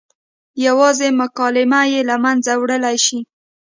یوازې مکالمه یې له منځه وړلی شي.